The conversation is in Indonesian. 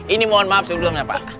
ini mohon maaf sudut doang ya pak